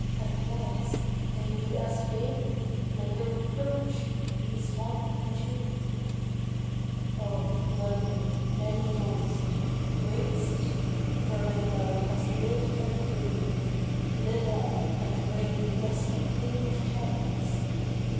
And loves (may be as vain !) like a reproach These haunt me too ! Oh ! London, many voiced ! Great city, where my love has lived and breathed, Live on, and reign the dusky Queen of Towns